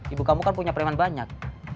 ibu kamu kan punya preman banyak